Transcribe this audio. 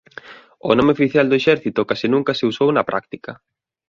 O nome oficial do Exército case nunca se usou na práctica.